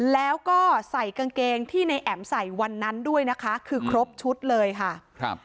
แล้วก็ใส่กางเกงที่ในแอ๋มใส่วันนั้นด้วยนะคะคือครบชุดเลยค่ะครับ